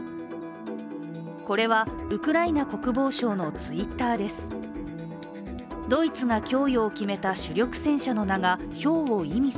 これはウクライナ国防省のＴｗｉｔｔｅｒです。